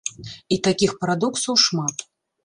І такіх парадоксаў шмат.